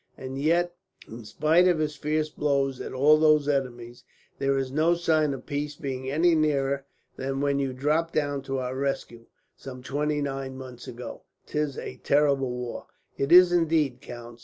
And yet, in spite of his fierce blows at all these enemies, there is no sign of peace being any nearer than when you dropped down to our rescue, some twenty seven months ago. 'Tis a terrible war." "It is, indeed, count.